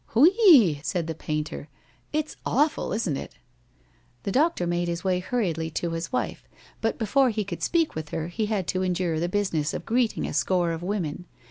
"Whee!" said the painter. "It's awful, isn't it?" The doctor made his way hurriedly to his wife, but before he could speak with her he had to endure the business of greeting a score of women.